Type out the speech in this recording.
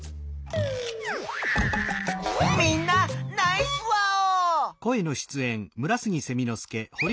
みんなナイスワオ！